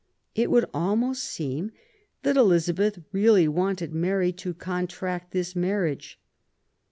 It would almost seem that Elizabeth really wished Mary to contract this marriage.